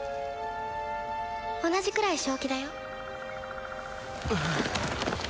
同じくらい正気だよ